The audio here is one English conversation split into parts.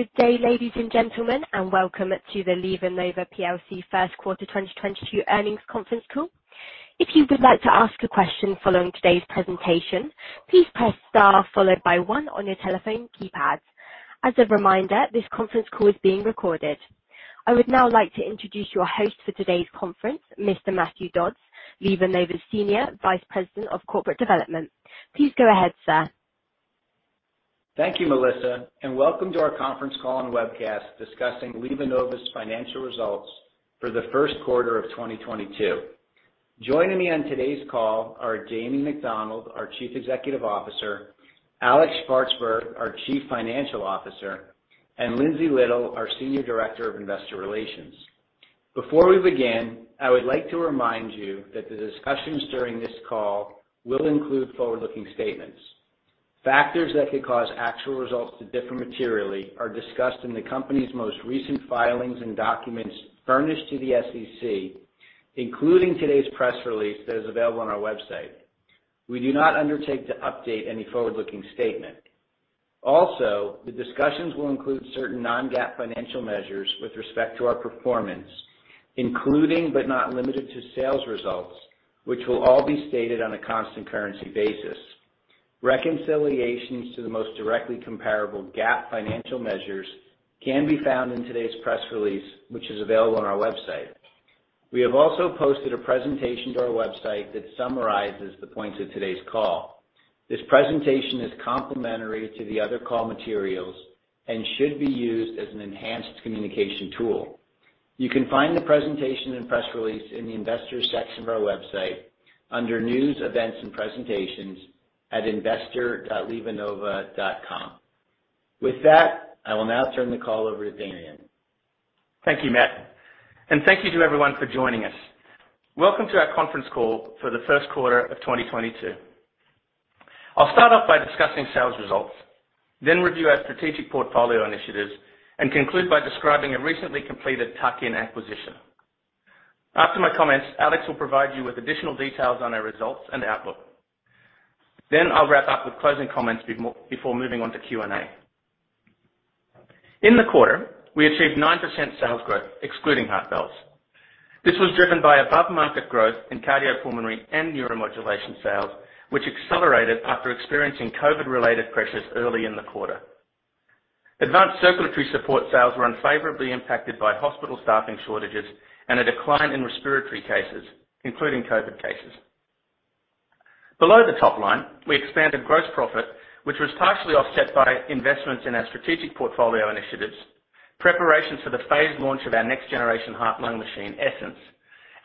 Good day, ladies and gentlemen, and welcome to the LivaNova PLC Q1 2022 earnings conference call. If you would like to ask a question following today's presentation, please press star followed by one on your telephone keypads. As a reminder, this conference call is being recorded. I would now like to introduce your host for today's conference, Mr. Matthew Dodds, LivaNova's Senior Vice President of Corporate Development. Please go ahead, sir. Thank you, Melissa, and welcome to our conference call and webcast discussing LivaNova's financial results for the Q1 of 2022. Joining me on today's call are Damien McDonald, our Chief Executive Officer, Alex Shvartsburg, our Chief Financial Officer, and Lindsey Little, our Senior Director of Investor Relations. Before we begin, I would like to remind you that the discussions during this call will include forward-looking statements. Factors that could cause actual results to differ materially are discussed in the company's most recent filings and documents furnished to the SEC, including today's press release that is available on our website. We do not undertake to update any forward-looking statement. Also, the discussions will include certain non-GAAP financial measures with respect to our performance, including but not limited to sales results, which will all be stated on a constant currency basis. Reconciliations to the most directly comparable GAAP financial measures can be found in today's press release, which is available on our website. We have also posted a presentation to our website that summarizes the points of today's call. This presentation is complementary to the other call materials and should be used as an enhanced communication tool. You can find the presentation and press release in the Investors section of our website under News, Events and Presentations at investor.livanova.com. With that, I will now turn the call over to Damien. Thank you, Matt, and thank you to everyone for joining us. Welcome to our conference call for the Q1 of 2022. I'll start off by discussing sales results, then review our strategic portfolio initiatives and conclude by describing a recently completed tuck-in acquisition. After my comments, Alex will provide you with additional details on our results and outlook. Then I'll wrap up with closing comments before moving on to Q&A. In the quarter, we achieved 9% sales growth excluding Heart-Lung. This was driven by above-market growth in Cardiopulmonary and Neuromodulation sales, which accelerated after experiencing COVID-related pressures early in the quarter. Advanced Circulatory Support sales were unfavorably impacted by hospital staffing shortages and a decline in respiratory cases, including COVID cases. Below the top line, we expanded gross profit, which was partially offset by investments in our strategic portfolio initiatives, preparation for the phased launch of our next-generation heart-lung machine, Essenz,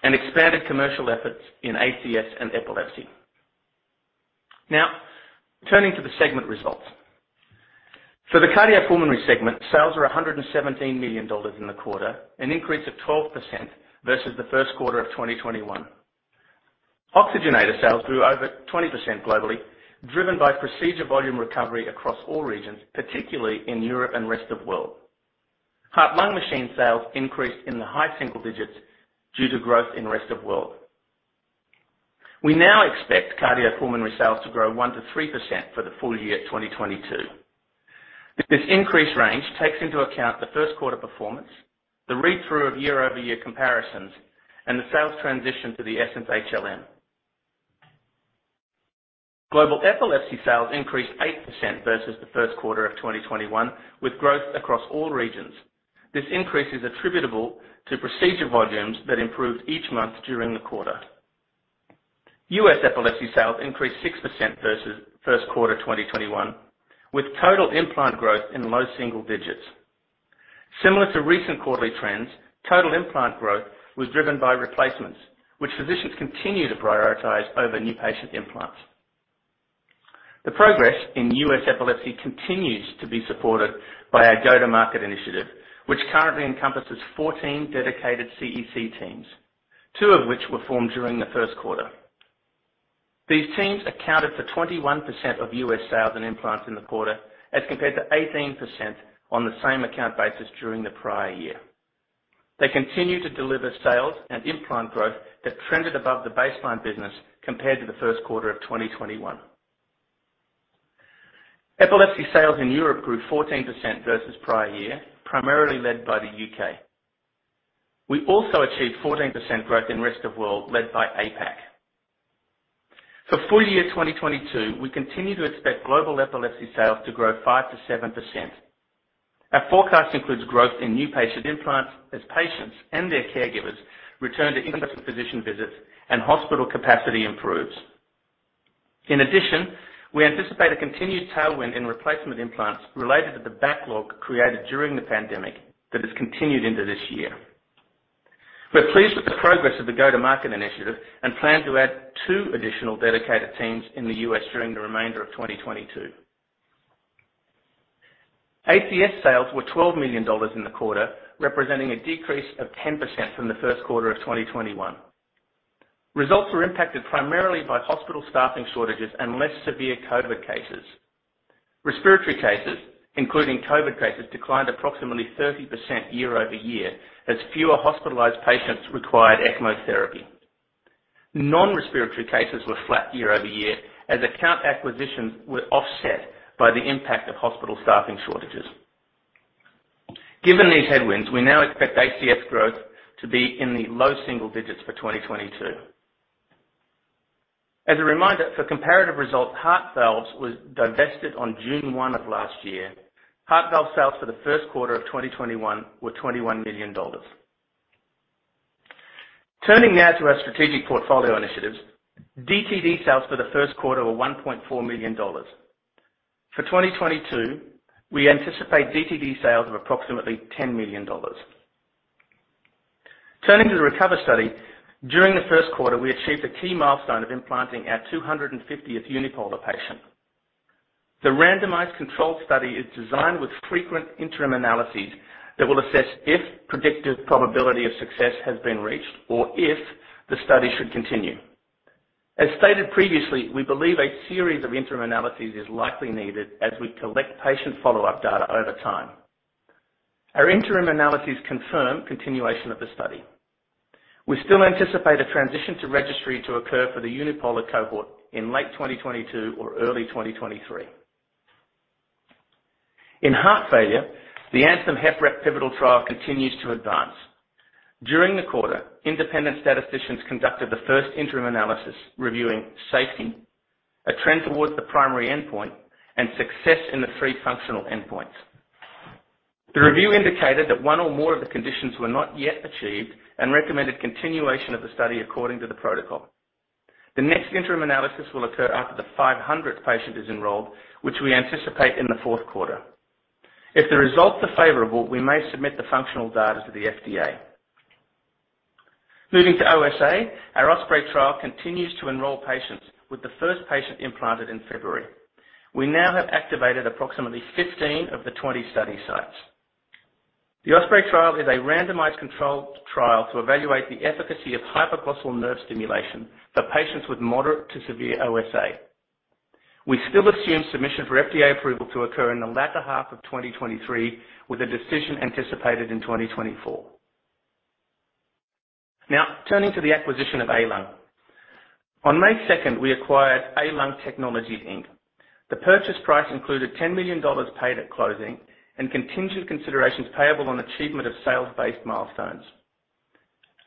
and expanded commercial efforts in ACS and epilepsy. Now, turning to the segment results. For the Cardiopulmonary segment, sales are $117 million in the quarter, an increase of 12% versus the Q1 of 2021. Oxygenator sales grew over 20% globally, driven by procedure volume recovery across all regions, particularly in Europe and rest of world. Heart-lung machine sales increased in the high single digits due to growth in rest of world. We now expect Cardiopulmonary sales to grow 1%-3% for the full year 2022. This increased range takes into account the Q1 performance, the read-through of year-over-year comparisons, and the sales transition to the Essenz HLM. Global epilepsy sales increased 8% versus the Q1 of 2021, with growth across all regions. This increase is attributable to procedure volumes that improved each month during the quarter. U.S. epilepsy sales increased 6% versus Q1 2021, with total implant growth in low single digits. Similar to recent quarterly trends, total implant growth was driven by replacements, which physicians continue to prioritize over new patient implants. The progress in U.S. epilepsy continues to be supported by our go-to-market initiative, which currently encompasses 14 dedicated CEC teams, two of which were formed during the Q1. These teams accounted for 21% of U.S. sales and implants in the quarter, as compared to 18% on the same account basis during the prior year. They continue to deliver sales and implant growth that trended above the baseline business compared to the Q1 of 2021. Epilepsy sales in Europe grew 14% versus prior year, primarily led by the U.K. We also achieved 14% growth in rest of world, led by APAC. For full year 2022, we continue to expect global epilepsy sales to grow 5%-7%. Our forecast includes growth in new patient implants as patients and their caregivers return to in-person physician visits and hospital capacity improves. In addition, we anticipate a continued tailwind in replacement implants related to the backlog created during the pandemic that has continued into this year. We're pleased with the progress of the go-to-market initiative and plan to add two additional dedicated teams in the U.S. during the remainder of 2022. ACS sales were $12 million in the quarter, representing a decrease of 10% from the Q1 of 2021. Results were impacted primarily by hospital staffing shortages and less severe COVID cases. Respiratory cases, including COVID cases, declined approximately 30% year-over-year as fewer hospitalized patients required ECMO therapy. Non-respiratory cases were flat year-over-year as account acquisitions were offset by the impact of hospital staffing shortages. Given these headwinds, we now expect ACS growth to be in the low single digits% for 2022. As a reminder, for comparative results, heart valves was divested on June 1 of last year. Heart valve sales for the Q1 of 2021 were $21 million. Turning now to our strategic portfolio initiatives. DTD sales for the Q1 were $1.4 million. For 2022, we anticipate DTD sales of approximately $10 million. Turning to the RECOVER study. During the Q1, we achieved a key milestone of implanting our 250th unipolar patient. The randomized controlled study is designed with frequent interim analyses that will assess if predicted probability of success has been reached, or if the study should continue. As stated previously, we believe a series of interim analyses is likely needed as we collect patient follow-up data over time. Our interim analyses confirm continuation of the study. We still anticipate a transition to registry to occur for the unipolar cohort in late 2022 or early 2023. In heart failure, the ANTHEM-HFrEF pivotal trial continues to advance. During the quarter, independent statisticians conducted the first interim analysis reviewing safety, a trend towards the primary endpoint, and success in the three functional endpoints. The review indicated that one or more of the conditions were not yet achieved and recommended continuation of the study according to the protocol. The next interim analysis will occur after the 500th patient is enrolled, which we anticipate in the Q4. If the results are favorable, we may submit the functional data to the FDA. Moving to OSA, our OSPREY trial continues to enroll patients with the first patient implanted in February. We now have activated approximately 15 of the 20 study sites. The OSPREY trial is a randomized controlled trial to evaluate the efficacy of hypoglossal nerve stimulation for patients with moderate to severe OSA. We still assume submission for FDA approval to occur in the latter half of 2023, with a decision anticipated in 2024. Now turning to the acquisition of ALung. On May 2nd, we acquired ALung Technologies, Inc. The purchase price included $10 million paid at closing and contingent considerations payable on achievement of sales-based milestones.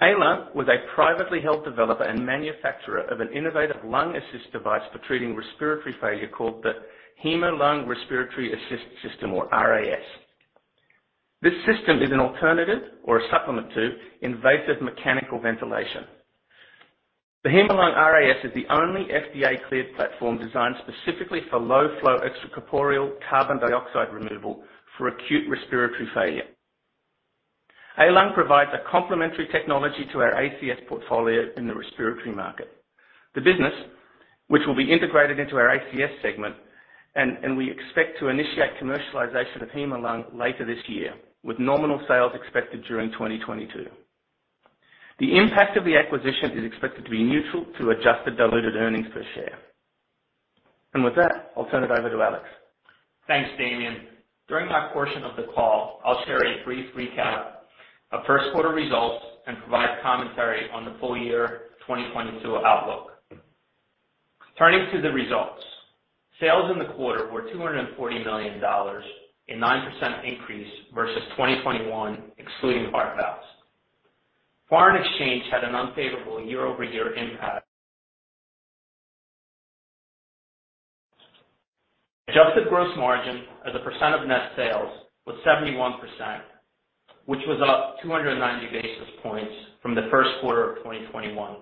ALung was a privately held developer and manufacturer of an innovative lung assist device for treating respiratory failure called the Hemolung Respiratory Assist System, or RAS. This system is an alternative or a supplement to invasive mechanical ventilation. The Hemolung RAS is the only FDA-cleared platform designed specifically for low flow extracorporeal carbon dioxide removal for acute respiratory failure. ALung provides a complementary technology to our ACS portfolio in the respiratory market. The business, which will be integrated into our ACS segment, and we expect to initiate commercialization of Hemolung later this year, with nominal sales expected during 2022. The impact of the acquisition is expected to be neutral to adjusted diluted earnings per share. With that, I'll turn it over to Alex. Thanks, Damien. During my portion of the call, I'll share a brief recap of Q1 results and provide commentary on the full year 2022 outlook. Turning to the results. Sales in the quarter were $240 million, a 9% increase versus 2021, excluding heart valves. Foreign exchange had an unfavorable year-over-year impact. Adjusted gross margin as a percent of net sales was 71%, which was up 290 basis points from the Q1 of 2021.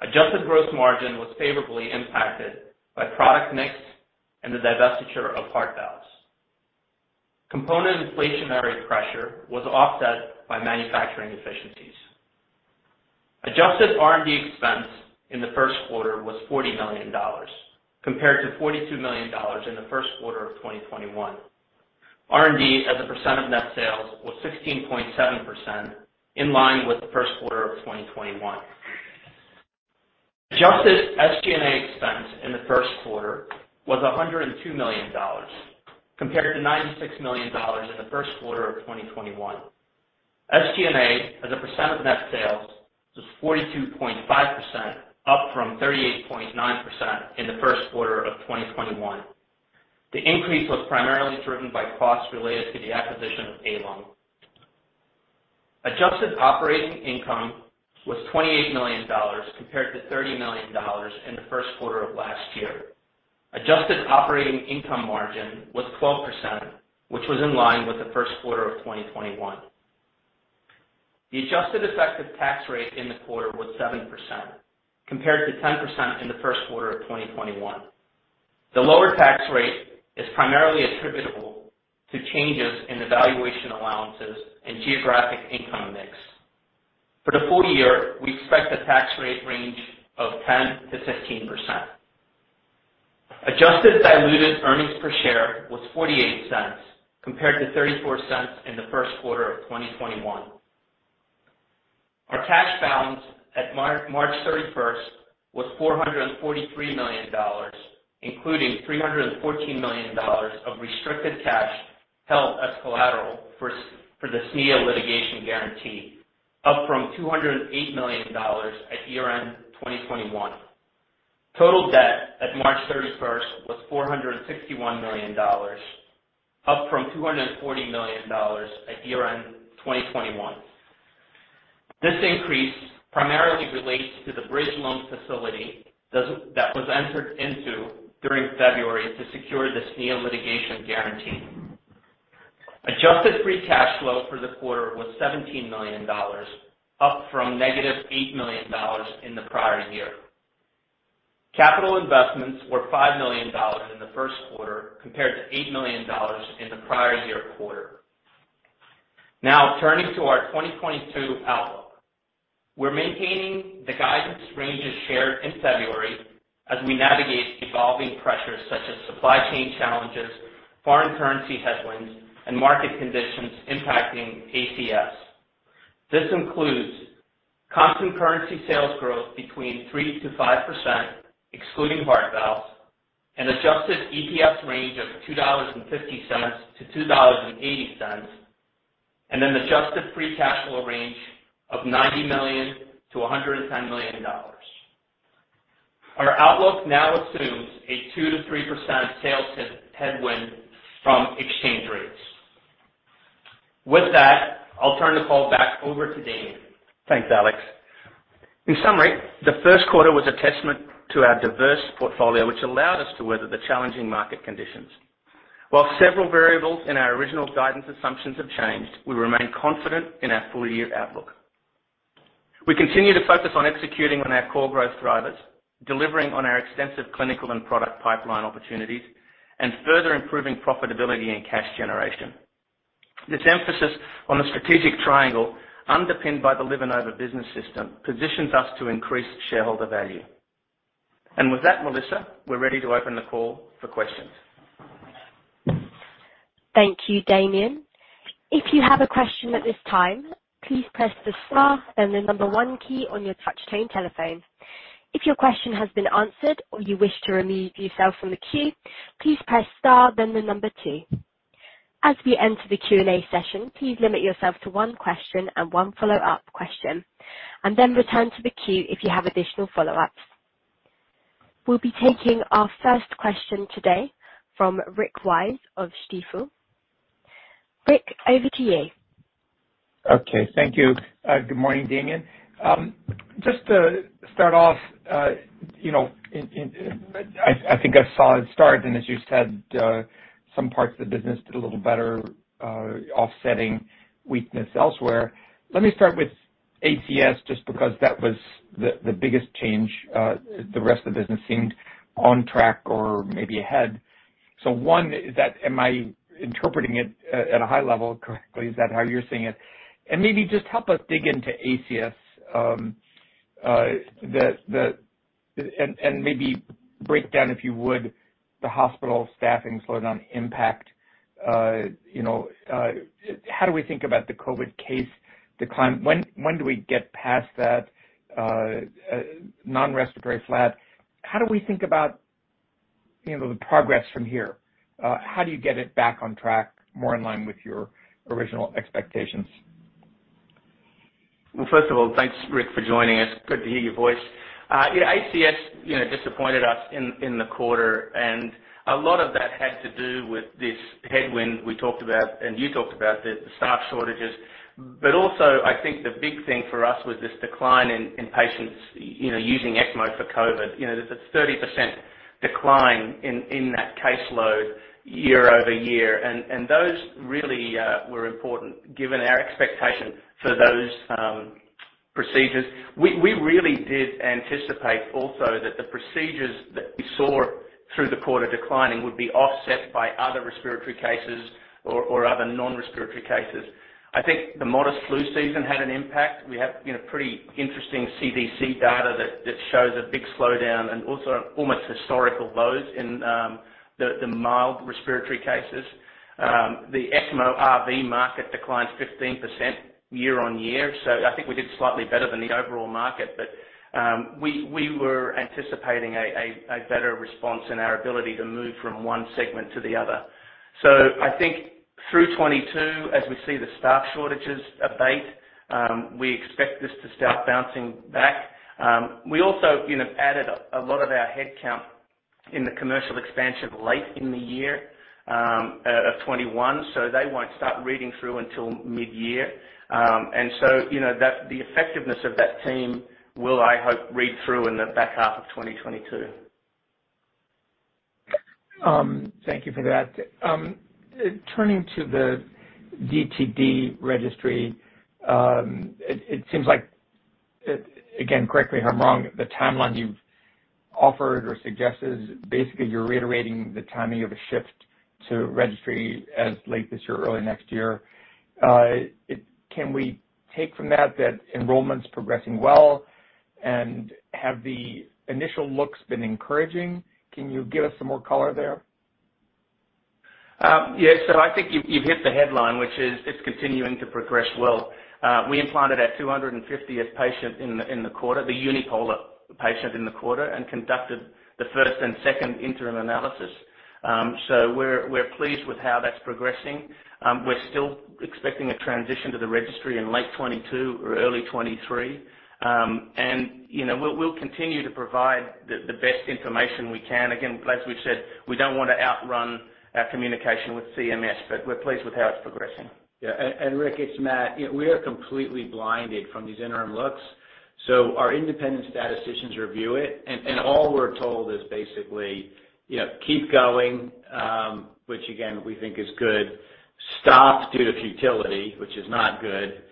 Adjusted gross margin was favorably impacted by product mix and the divestiture of heart valves. Component inflationary pressure was offset by manufacturing efficiencies. Adjusted R&D expense in the Q1 was $40 million, compared to $42 million in the Q1 of 2021. R&D as a percent of net sales was 16.7%, in line with the Q1 of 2021. Adjusted SG&A expense in the Q1 was $102 million, compared to $96 million in the Q1 of 2021. SG&A as a percent of net sales was 42.5%, up from 38.9% in the Q1 of 2021. The increase was primarily driven by costs related to the acquisition of ALung. Adjusted operating income was $28 million, compared to $30 million in the Q1 of last year. Adjusted operating income margin was 12%, which was in line with the Q1 of 2021. The adjusted effective tax rate in the quarter was 7%, compared to 10% in the Q1 of 2021. The lower tax rate is primarily attributable to changes in the valuation allowances and geographic income mix. For the full year, we expect a tax rate range of 10%-15%. Adjusted diluted earnings per share was $0.48, compared to $0.34 in the Q1 of 2021. Our cash balance at March 31st was $443 million, including $314 million of restricted cash held as collateral for the SNIA litigation guarantee, up from $208 million at year-end 2021. Total debt at March 31st was $461 million, up from $240 million at year-end 2021. This increase primarily relates to the bridge loan facility that was entered into during February to secure the SNIA litigation guarantee. Adjusted free cash flow for the quarter was $17 million, up from negative $8 million in the prior year. Capital investments were $5 million in the Q1 compared to $8 million in the prior year quarter. Now, turning to our 2022 outlook. We're maintaining the guidance ranges shared in February as we navigate evolving pressures such as supply chain challenges, foreign currency headwinds, and market conditions impacting ACS. This includes constant currency sales growth between 3%-5%, excluding heart valves, an adjusted EPS range of $2.50-$2.80, and an adjusted free cash flow range of $90 million-$110 million. Our outlook now assumes a 2%-3% sales headwind from exchange rates. With that, I'll turn the call back over to Damien. Thanks, Alex. In summary, the Q1 was a testament to our diverse portfolio, which allowed us to weather the challenging market conditions. While several variables in our original guidance assumptions have changed, we remain confident in our full year outlook. We continue to focus on executing on our core growth drivers, delivering on our extensive clinical and product pipeline opportunities, and further improving profitability and cash generation. This emphasis on the strategic triangle underpinned by the LivaNova business system positions us to increase shareholder value. With that, Melissa, we're ready to open the call for questions. Thank you, Damien. If you have a question at this time, please press the star then the number one key on your touch-tone telephone. If your question has been answered or you wish to remove yourself from the queue, please press star then the number two. As we enter the Q&A session, please limit yourself to one question and one follow-up question, and then return to the queue if you have additional follow-ups. We'll be taking our first question today from Rick Wise of Stifel. Rick, over to you. Okay. Thank you. Good morning, Damien. Just to start off, you know, I think a solid start, and as you said, some parts of the business did a little better, offsetting weakness elsewhere. Let me start with ACS just because that was the biggest change. The rest of the business seemed on track or maybe ahead. One, is that Am I interpreting it at a high level correctly? Is that how you're seeing it? And maybe just help us dig into ACS, and maybe break down, if you would, the hospital staffing slowdown impact. You know, how do we think about the COVID case decline? When do we get past that non-respiratory flat? How do we think about, you know, the progress from here? How do you get it back on track more in line with your original expectations? Well, first of all, thanks, Rick, for joining us. Good to hear your voice. Yeah, ACS, you know, disappointed us in the quarter, and a lot of that had to do with this headwind we talked about and you talked about, the staff shortages. But also, I think the big thing for us was this decline in patients, you know, using ECMO for COVID. You know, there's a 30% decline in that caseload year-over-year. Those really were important given our expectation for those procedures. We really did anticipate also that the procedures that we saw through the quarter declining would be offset by other respiratory cases or other non-respiratory cases. I think the modest flu season had an impact. We have, you know, pretty interesting CDC data that shows a big slowdown and also almost historical lows in the mild respiratory cases. The ECMO RV market declined 15% year-over-year. I think we did slightly better than the overall market. We were anticipating a better response in our ability to move from one segment to the other. I think through 2022, as we see the staff shortages abate, we expect this to start bouncing back. We also, you know, added a lot of our head count in the commercial expansion late in the year of 2021, so they won't start reading through until mid-year. You know, the effectiveness of that team will, I hope, read through in the back half of 2022. Thank you for that. Turning to the DTD registry, it seems like, again, correct me if I'm wrong, the timeline you've offered or suggested, basically you're reiterating the timing of a shift to registry as late this year or early next year. Can we take from that enrollment's progressing well and have the initial looks been encouraging? Can you give us some more color there? Yeah, I think you've hit the headline, which is it's continuing to progress well. We implanted our 250th patient in the quarter, the unipolar patient in the quarter, and conducted the first and second interim analysis. We're pleased with how that's progressing. We're still expecting a transition to the registry in late 2022 or early 2023. You know, we'll continue to provide the best information we can. Again, as we've said, we don't want to outrun our communication with CMS, but we're pleased with how it's progressing. Rick, it's Matt. You know, we are completely blinded from these interim looks. Our independent statisticians review it, and all we're told is basically, you know, keep going, which again, we think is good. Stop due to futility, which is not good.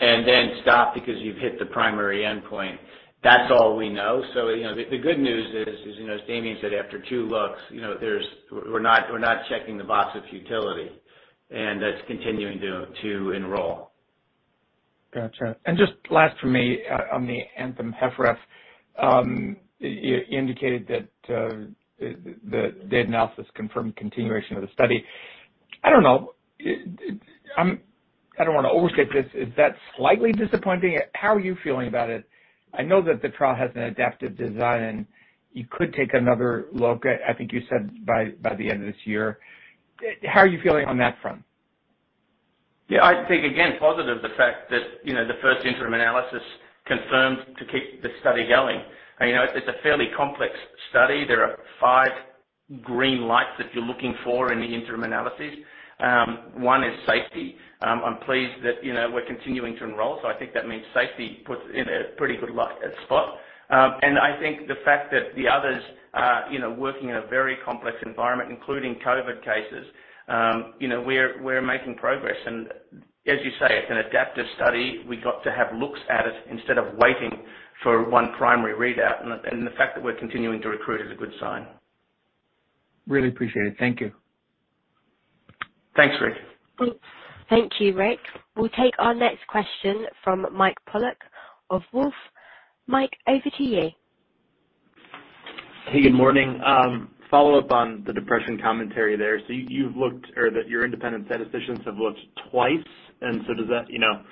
Then stop because you've hit the primary endpoint. That's all we know. You know, the good news is, you know, as Damian said, after two looks, you know, there's. We're not checking the box of futility, and that's continuing to enroll. Gotcha. Just last for me, on the ANTHEM-HFrEF, you indicated that that the analysis confirmed continuation of the study. I don't know. I'm I don't wanna overstate this. Is that slightly disappointing? How are you feeling about it? I know that the trial has an adaptive design, and you could take another look at, I think you said by the end of this year. How are you feeling on that front? Yeah. I think, again, positive the fact that, you know, the first interim analysis confirmed to keep the study going. You know, it's a fairly complex study. There are five green lights that you're looking for in the interim analysis. One is safety. I'm pleased that, you know, we're continuing to enroll, so I think that means safety puts in a pretty good spot. I think the fact that the others are, you know, working in a very complex environment, including COVID cases, you know, we're making progress. As you say, it's an adaptive study. We got to have looks at it instead of waiting for one primary readout, and the fact that we're continuing to recruit is a good sign. Really appreciate it. Thank you. Thanks, Rick. Thank you, Rick. We'll take our next question from Mike Polark of Wolfe Research. Mike, over to you. Hey, good morning. Follow up on the depression commentary there. You've looked or that your independent statisticians have looked twice, and so does that, you know.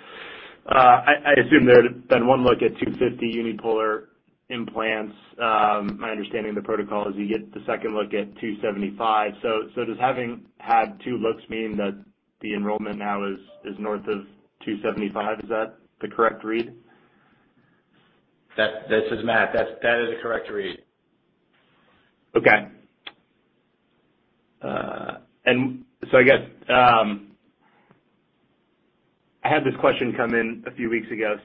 I assume there had been one look at 250 unipolar implants. My understanding of the protocol is you get the second look at 275. Does having had two looks mean that the enrollment now is north of 275? Is that the correct read? This is Matt. That is the correct read. Okay. I guess I had this question come in a few weeks ago.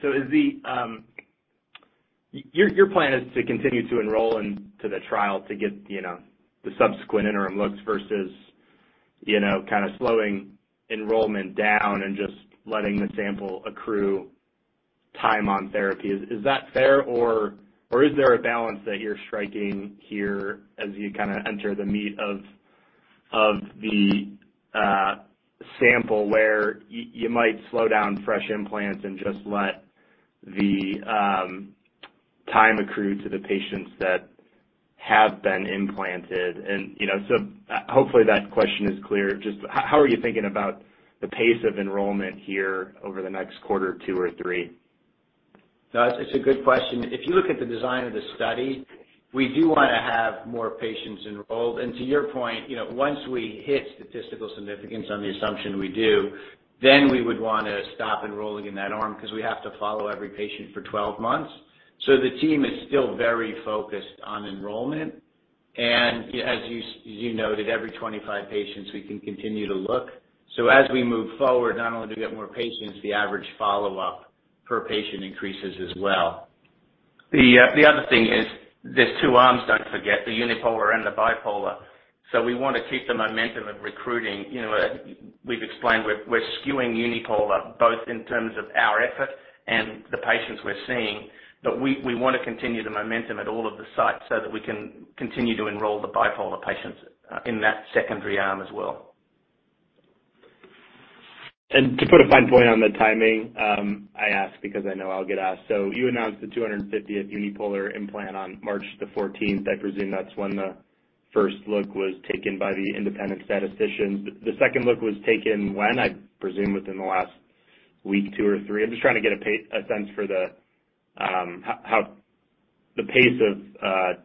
Is your plan to continue to enroll into the trial to get, you know, the subsequent interim looks versus, you know, kinda slowing enrollment down and just letting the sample accrue time on therapy. Is that fair, or is there a balance that you're striking here as you kinda enter the meat of the sample where you might slow down fresh implants and just let the time accrue to the patients that have been implanted and, you know. Hopefully, that question is clear. Just how are you thinking about the pace of enrollment here over the next quarter, two or three? No, it's a good question. If you look at the design of the study, we do wanna have more patients enrolled. To your point, you know, once we hit statistical significance on the assumption we do, then we would wanna stop enrolling in that arm 'cause we have to follow every patient for 12 months. The team is still very focused on enrollment. As you noted, every 25 patients, we can continue to look. As we move forward, not only do we get more patients, the average follow-up per patient increases as well. The other thing is there's two arms, don't forget, the unipolar and the bipolar. We wanna keep the momentum of recruiting. You know, we've explained, we're skewing unipolar, both in terms of our effort and the patients we're seeing. We wanna continue the momentum at all of the sites so that we can continue to enroll the bipolar patients in that secondary arm as well. To put a fine point on the timing, I ask because I know I'll get asked. You announced the 250th unipolar implant on March 14. I presume that's when the first look was taken by the independent statisticians. The second look was taken when? I presume within the last week, two or three. I'm just trying to get a sense for how the pace of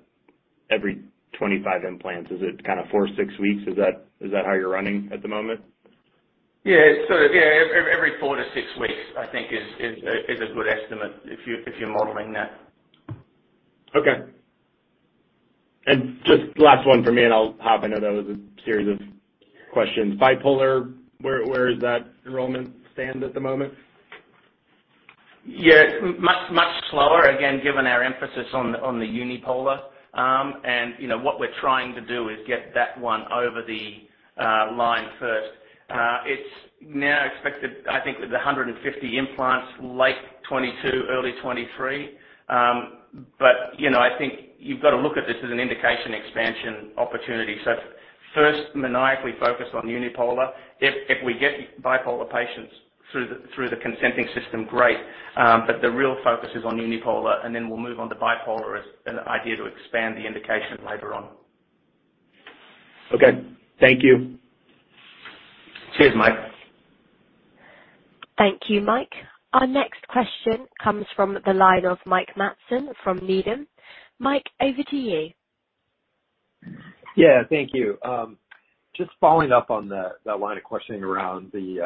every 25 implants, is it kinda 4-6 weeks? Is that how you're running at the moment? Yeah. Yeah, every 4-6 weeks, I think is a good estimate if you're modeling that. Okay. Just last one for me, and I'll hop. I know that was a series of questions. Bipolar, where does that enrollment stand at the moment? Yeah. Much, much slower, again, given our emphasis on the unipolar. You know, what we're trying to do is get that one over the line first. It's now expected, I think, at 150 implants late 2022, early 2023. You know, I think you've got to look at this as an indication expansion opportunity. First, maniacally focus on unipolar. If we get bipolar patients through the consenting system, great. The real focus is on unipolar, and then we'll move on to bipolar as an idea to expand the indication later on. Okay, thank you. Cheers, Mike. Thank you, Mike. Our next question comes from the line of Mike Matson from Needham. Mike, over to you. Yeah, thank you. Just following up on that line of questioning around the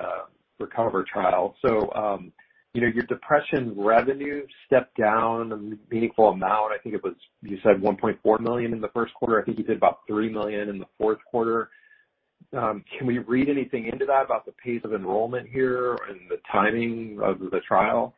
RECOVER trial. You know, your depression revenue stepped down a meaningful amount. I think it was. You said $1.4 million in the Q1. I think you did about $3 million in the Q4. Can we read anything into that about the pace of enrollment here and the timing of the trial?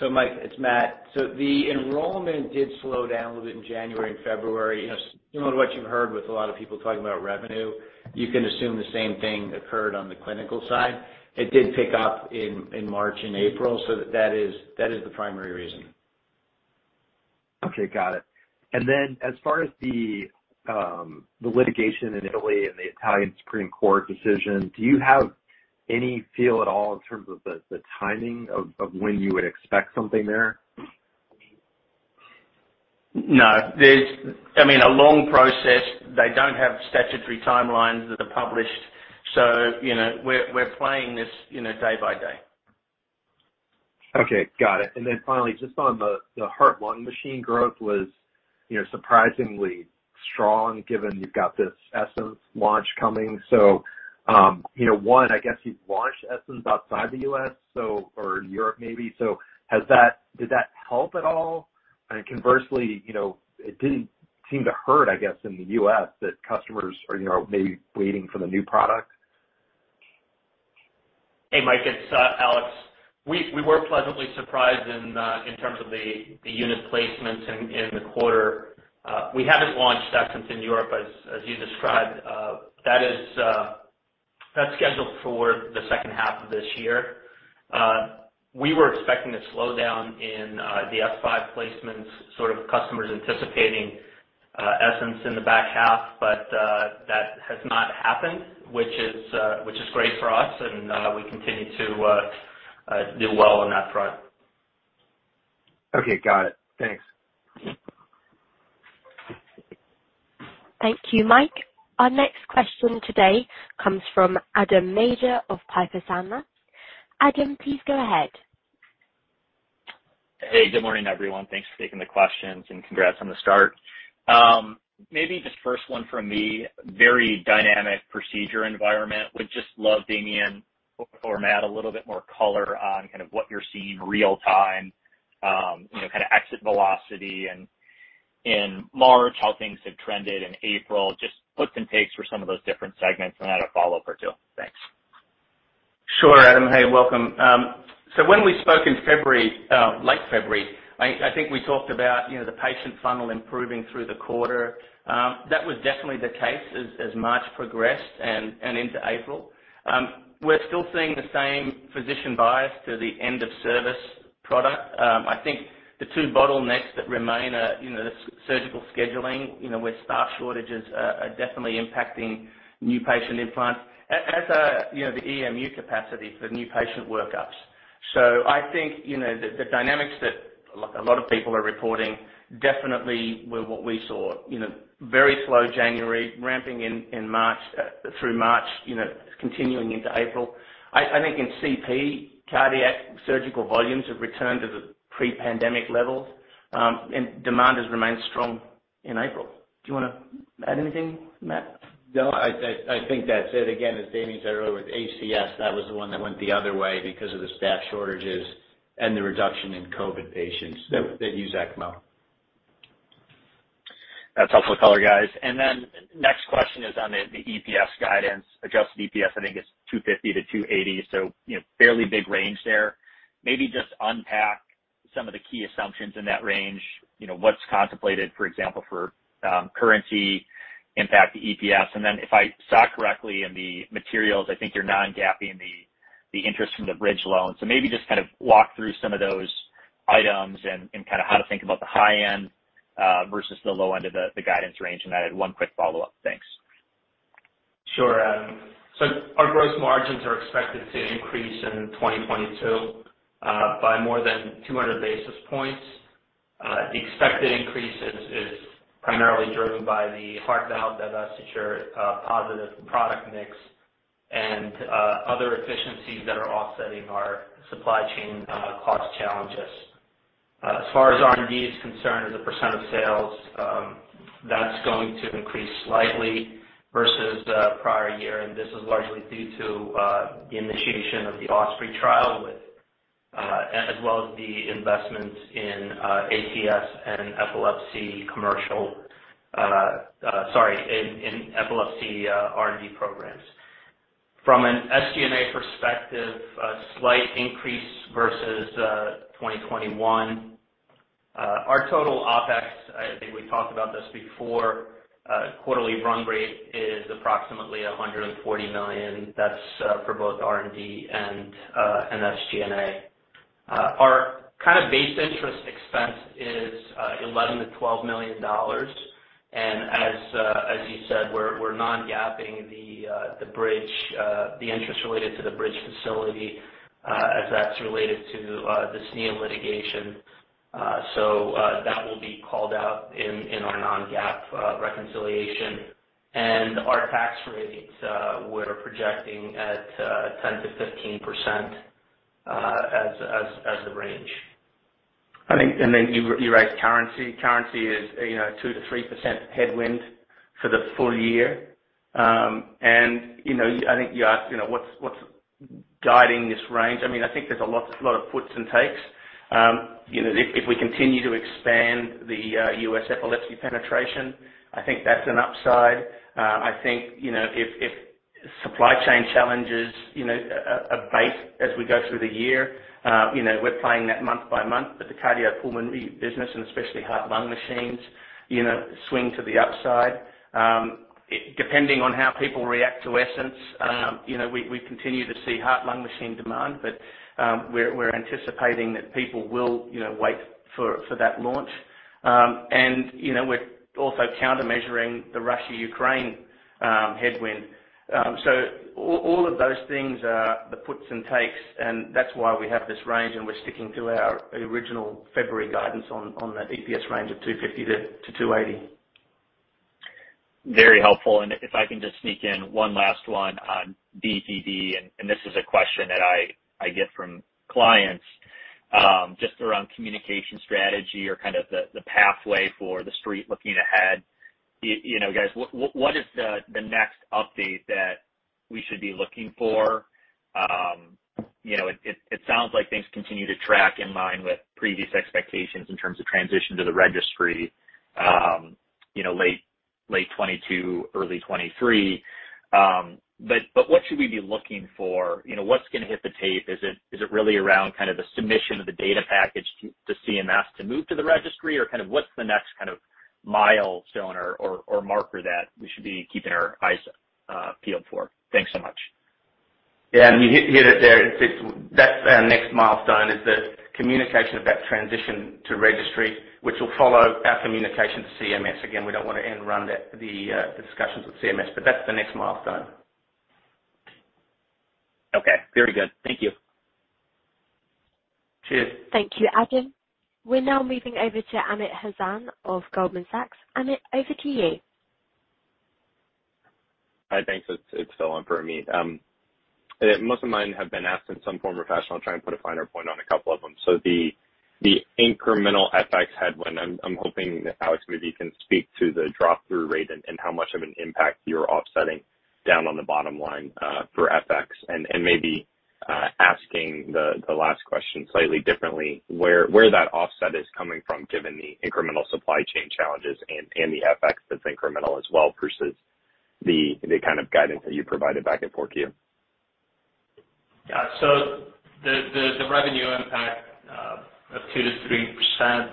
Mike, it's Matt. The enrollment did slow down a little bit in January and February. You know, similar to what you've heard with a lot of people talking about revenue, you can assume the same thing occurred on the clinical side. It did pick up in March and April, so that is the primary reason. Okay, got it. As far as the litigation in Italy and the Italian Supreme Court decision, do you have any feel at all in terms of the timing of when you would expect something there? No. There's, I mean, a long process. They don't have statutory timelines that are published. You know, we're playing this, you know, day by day. Okay. Got it. Finally, just on the heart-lung machine growth was, you know, surprisingly strong given you've got this Essenz launch coming. You know, I guess you've launched Essenz outside the U.S. or Europe maybe so. Did that help at all? Conversely, you know, it didn't seem to hurt, I guess, in the U.S. that customers are, you know, maybe waiting for the new product. Hey, Mike, it's Alex. We were pleasantly surprised in terms of the unit placements in the quarter. We haven't launched Essenz in Europe as you described. That is, that's scheduled for the H2 of this year. We were expecting a slowdown in the S5 placements, sort of customers anticipating Essenz in the back half, but that has not happened, which is great for us, and we continue to do well on that front. Okay. Got it. Thanks. Thank you, Mike. Our next question today comes from Adam Maeder of Piper Sandler. Adam, please go ahead. Hey, good morning, everyone. Thanks for taking the questions, and congrats on the start. Maybe just first one from me, very dynamic procedure environment. Would just love Damian or Matt, a little bit more color on kind of what you're seeing real time, you know, kind of exit velocity and in March, how things have trended in April, just puts and takes for some of those different segments, and I had a follow-up or two. Thanks. Sure, Adam. Hey, welcome. When we spoke in February, late February, I think we talked about, you know, the patient funnel improving through the quarter. That was definitely the case as March progressed and into April. We're still seeing the same physician bias to the end of service product. I think the two bottlenecks that remain are, you know, the surgical scheduling, you know, where staff shortages are definitely impacting new patient implants. As a, you know, the EMU capacity for new patient workups. I think, you know, the dynamics that like a lot of people are reporting definitely were what we saw, you know, very slow January, ramping in March through March, you know, continuing into April. I think in CP, cardiac surgical volumes have returned to the pre-pandemic levels, and demand has remained strong in April. Do you wanna add anything, Matt? No, I think that's it. Again, as Damien said earlier with ACS, that was the one that went the other way because of the staff shortages and the reduction in COVID patients that use ECMO. That's helpful color, guys. Next question is on the EPS guidance. Adjusted EPS, I think, is $2.50-$2.80, so you know, fairly big range there. Maybe just unpack some of the key assumptions in that range. You know, what's contemplated, for example, for currency impact to EPS? And then if I saw correctly in the materials, I think you're non-GAAPing the interest from the bridge loan. So maybe just kind of walk through some of those items and kinda how to think about the high end versus the low end of the guidance range. I had one quick follow-up. Thanks. Sure, Adam. Our gross margins are expected to increase in 2022 by more than 200 basis points. The expected increase is primarily driven by the heart valve divestiture, positive product mix and other efficiencies that are offsetting our supply chain cost challenges. As far as R&D is concerned, as a percent of sales, that's going to increase slightly versus the prior year, and this is largely due to the initiation of the OSPREY trial as well as the investments in ACS and in epilepsy R&D programs. From an SG&A perspective, a slight increase versus 2021. Our total OpEx, I think we talked about this before, quarterly run rate is approximately $140 million. That's for both R&D and SG&A. Our kind of base interest expense is $11 million-$12 million. As you said, we're non-GAAPing the interest related to the bridge facility, as that's related to the SNIA litigation. That will be called out in our non-GAAP reconciliation. Our tax rates we're projecting at 10%-15%, as the range. I think you raised currency. Currency is 2%-3% headwind for the full year. I think you asked what's guiding this range? I mean, I think there's a lot of puts and takes. If we continue to expand the U.S. epilepsy penetration, I think that's an upside. I think if supply chain challenges abate as we go through the year, we're playing that month by month. The cardiopulmonary business, and especially heart-lung machines, swing to the upside. It, depending on how people react to Essenz, we continue to see heart-lung machine demand, but we're anticipating that people will wait for that launch. you know, we're also counter-measuring the Russia-Ukraine headwind. All of those things are the puts and takes, and that's why we have this range, and we're sticking to our original February guidance on that EPS range of $2.50-$2.80. Very helpful. If I can just sneak in one last one on DTD, and this is a question that I get from clients, just around communication strategy or kind of the pathway for the Street looking ahead. You know, guys, what is the next update that we should be looking for? You know, it sounds like things continue to track in line with previous expectations in terms of transition to the registry, you know, late 2022, early 2023. But what should we be looking for? You know, what's gonna hit the tape? Is it really around kind of the submission of the data package to CMS to move to the registry? Kind of what's the next kind of milestone or marker that we should be keeping our eyes peeled for? Thanks so much. Yeah. I mean, you hit it there. It's that our next milestone is the communication of that transition to registry, which will follow our communication to CMS. Again, we don't want to end run that, the discussions with CMS, but that's the next milestone. Okay. Very good. Thank you. Cheers. Thank you, Adam. We're now moving over to Amit Hazan of Goldman Sachs. Amit, over to you. Hi. Thanks. It's still on for me. Most of mine have been asked in some form or fashion. I'll try and put a finer point on a couple of them. The incremental FX headwind, I'm hoping Alex maybe can speak to the drop-through rate and how much of an impact you're offsetting down on the bottom line for FX. Maybe asking the last question slightly differently, where that offset is coming from given the incremental supply chain challenges and the FX that's incremental as well versus the kind of guidance that you provided back at 4Q. Yeah. The revenue impact of 2%-3%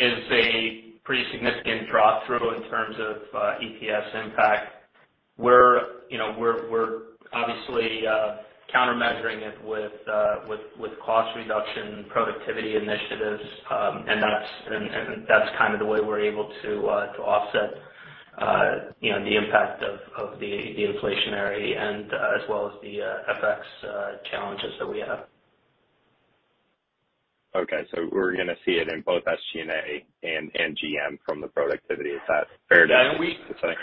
is a pretty significant drop-through in terms of EPS impact. We're, you know, obviously counter-measuring it with cost reduction productivity initiatives. That's kind of the way we're able to offset, you know, the impact of the inflationary and as well as the FX challenges that we have. Okay. We're gonna see it in both SG&A and GM from the productivity side. Fair to say?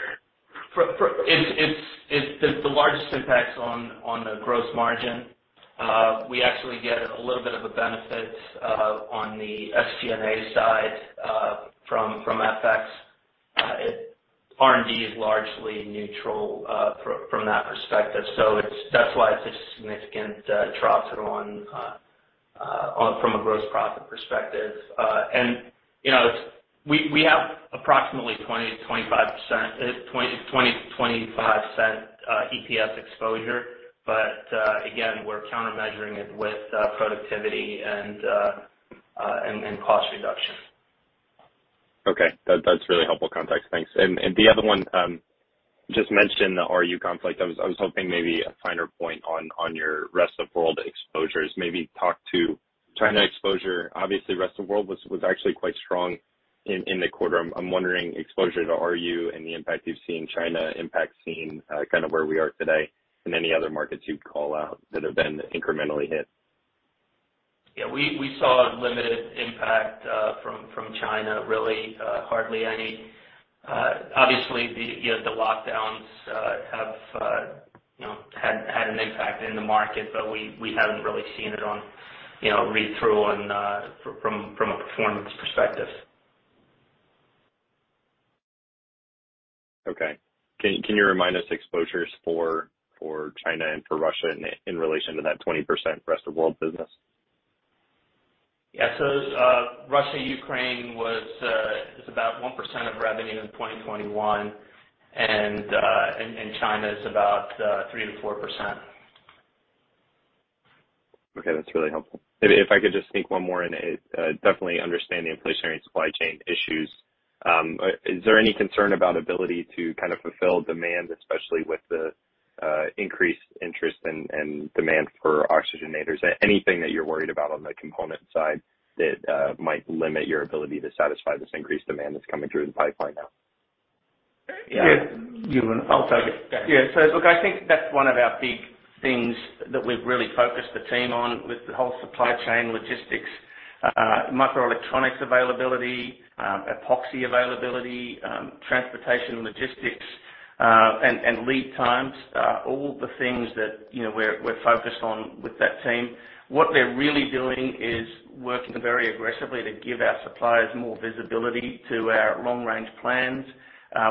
It's the largest impact on the gross margin. We actually get a little bit of a benefit on the SG&A side from FX. R&D is largely neutral from that perspective. That's why it's a significant drop through from a gross profit perspective. You know, we have approximately $0.20-$0.25 EPS exposure. Again, we're counter-measuring it with productivity and cost reduction. Okay. That's really helpful context. Thanks. The other one just mentioned the Russia-Ukraine conflict. I was hoping maybe a finer point on your rest of world exposures. Maybe talk to China exposure. Obviously, rest of world was actually quite strong in the quarter. I'm wondering exposure to Russia-Ukraine and the impact you've seen from China and the impact you've seen, kind of where we are today, and any other markets you'd call out that have been incrementally hit. Yeah. We saw a limited impact from China, really, hardly any. Obviously, you know, the lockdowns have, you know, had an impact in the market, but we haven't really seen it on, you know, read through on from a performance perspective. Okay. Can you remind us exposures for China and for Russia in relation to that 20% rest of world business? Russia-Ukraine is about 1% of revenue in 2021, and China is about 3%-4%. Okay, that's really helpful. If I could just sneak one more in, definitely understand the inflationary supply chain issues. Is there any concern about ability to kind of fulfill demand, especially with the increased interest and demand for oxygenators? Anything that you're worried about on the component side that might limit your ability to satisfy this increased demand that's coming through the pipeline now? Yeah. Yeah. I'll take it. Okay. Yeah. Look, I think that's one of our big things that we've really focused the team on with the whole supply chain logistics, microelectronics availability, epoxy availability, transportation logistics, and lead times, all the things that, you know, we're focused on with that team. What they're really doing is working very aggressively to give our suppliers more visibility to our long-range plans.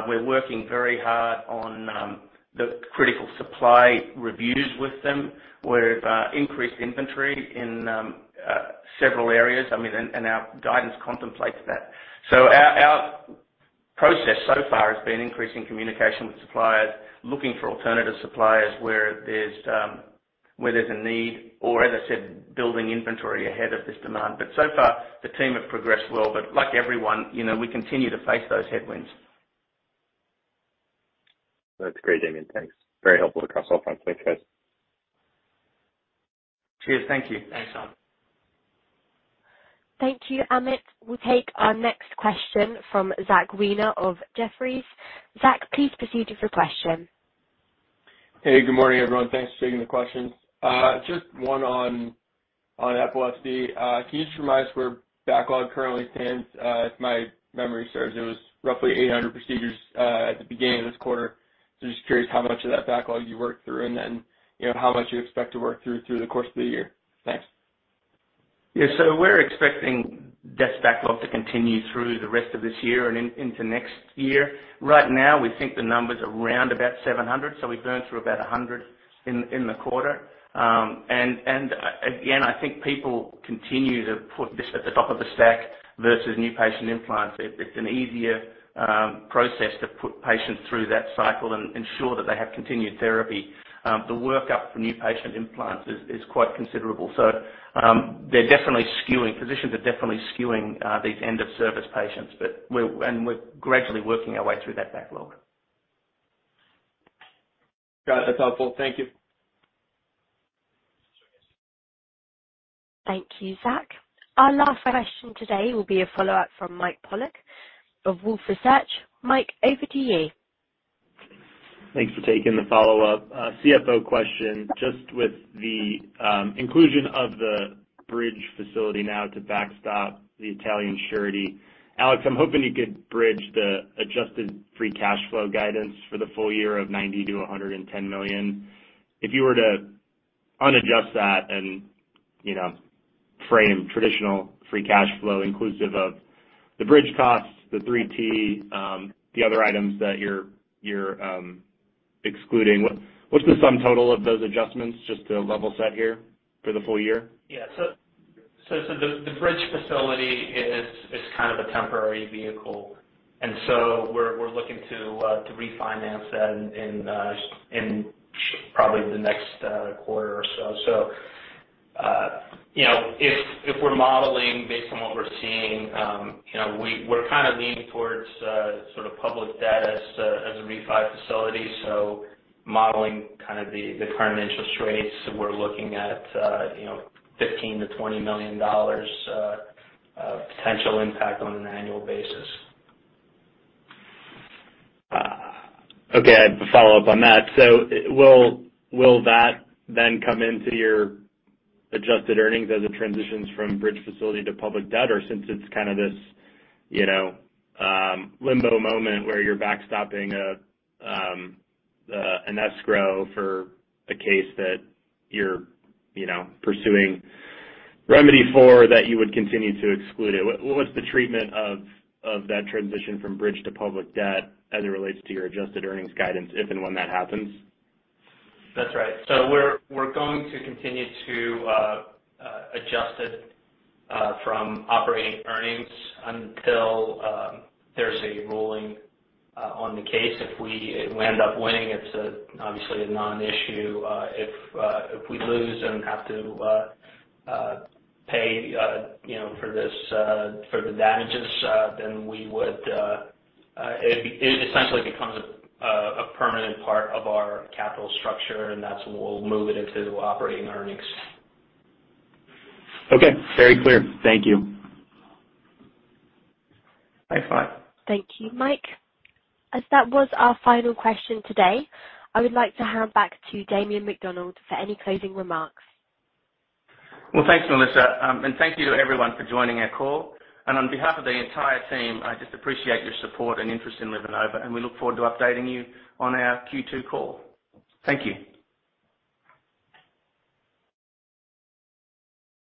We're working very hard on the critical supply reviews with them. We've increased inventory in several areas. I mean, and our guidance contemplates that. Our process so far has been increasing communication with suppliers, looking for alternative suppliers where there's a need, or as I said, building inventory ahead of this demand. So far, the team have progressed well. Like everyone, you know, we continue to face those headwinds. That's great, Damien. Thanks. Very helpful across all fronts. Thanks, guys. Cheers. Thank you. Thanks, Amit. Thank you, Amit. We'll take our next question from Zach Weiner of Jefferies. Zach, please proceed with your question. Hey, good morning, everyone. Thanks for taking the questions. Just one on [EOS. Can you just remind us where backlog currently stands? If my memory serves, it was roughly 800 procedures at the beginning of this quarter. Just curious how much of that backlog you worked through and then, you know, how much you expect to work through the course of the year. Thanks. Yeah. We're expecting that backlog to continue through the rest of this year and into next year. Right now, we think the number's around about 700. We've burned through about 100 in the quarter. And again, I think people continue to put this at the top of the stack versus new patient implants. It's an easier process to put patients through that cycle and ensure that they have continued therapy. The workup for new patient implants is quite considerable. Physicians are definitely skewing these end of service patients, but we're gradually working our way through that backlog. Got it. That's helpful. Thank you. Thank you, Zach. Our last question today will be a follow-up from Mike Polark of Wolfe Research. Mike, over to you. Thanks for taking the follow-up. CFO question. Just with the inclusion of the bridge facility now to backstop the Italian surety. Alex Shvartsburg, I'm hoping you could bridge the adjusted free cash flow guidance for the full year of $90-$110 million. If you were to unadjust that and, you know, frame traditional free cash flow inclusive of the bridge costs, the three T, the other items that you're excluding, what's the sum total of those adjustments just to level set here for the full year? Yeah. The bridge facility is, it's kind of a temporary vehicle. We're looking to refinance that in probably the next quarter or so. You know, if we're modeling based on what we're seeing, you know, we're kinda leaning towards sort of public debt as a refi facility. Modeling kind of the current interest rates, we're looking at you know, $15 million-$20 million potential impact on an annual basis. Okay. I have a follow-up on that. Will that then come into your adjusted earnings as it transitions from bridge facility to public debt? Or since it's kind of this, you know, limbo moment where you're backstopping an escrow for a case that you're, you know, pursuing remedy for that you would continue to exclude it. What's the treatment of that transition from bridge to public debt as it relates to your adjusted earnings guidance, if and when that happens? That's right. We're going to continue to adjust it from operating earnings until there's a ruling on the case. If we end up winning, it's obviously a non-issue. If we lose and have to pay, you know, for this, for the damages, then it essentially becomes a permanent part of our capital structure, and that's when we'll move it into operating earnings. Okay. Very clear. Thank you. Thanks, Mike. Thank you, Mike. As that was our final question today, I would like to hand back to Damien McDonald for any closing remarks. Well, thanks, Melissa, and thank you to everyone for joining our call. On behalf of the entire team, I just appreciate your support and interest in LivaNova, and we look forward to updating you on our Q2 call. Thank you.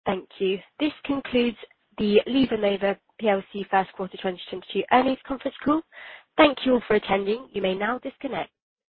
Thank you. This concludes the LivaNova PLC Q1 2022 earnings conference call. Thank you all for attending. You may now disconnect.